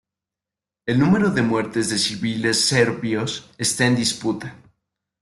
El número de muertes de civiles serbios está en disputa.